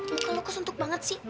enggak lu kesentuk banget sih